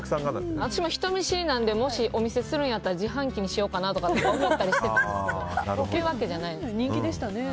私も人見知りなのでもしお店するんやったら自販機にしようかなって思ってたんですけどそういうわけじゃないんですね。